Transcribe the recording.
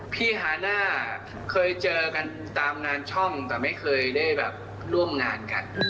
ฮาน่าเคยเจอกันตามงานช่องแต่ไม่เคยได้แบบร่วมงานกัน